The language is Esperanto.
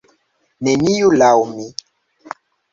Neniu, laŭ mi.